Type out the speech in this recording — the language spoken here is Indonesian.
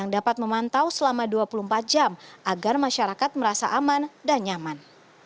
dapat memantau selama dua puluh empat jam agar masyarakat merasa aman dan nyaman